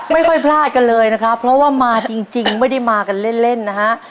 ไม่ค่อยพลาดกันเลยนะครับเพราะว่ามาจริงไม่ได้มากันเล่นนะฮะ